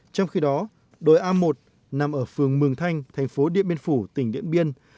trong khi đó đồi a một nằm ở phường mường thanh thành phố điện biên phủ tỉnh điện biên